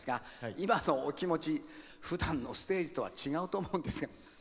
今のお気持ちふだんのステージとは違うと思うんですが。